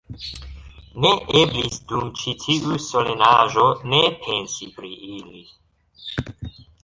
Ne eblis dum ĉi tiu solenaĵo ne pensi pri ili.